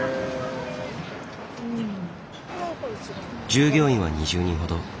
従業員は２０人ほど。